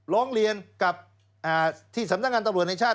ร้องเรียนกับที่สำนักงานตำรวจแห่งชาติ